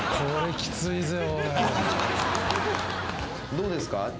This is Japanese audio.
どうですか？